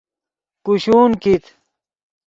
کوشون کیت